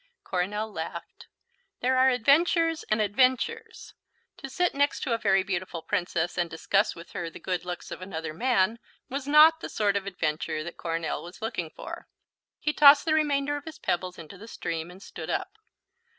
Coronel laughed. There are adventures and adventures; to sit next to a very beautiful Princess and discuss with her the good looks of another man was not the sort of adventure that Coronel was looking for. He tossed the remainder of his pebbles into the stream and stood up.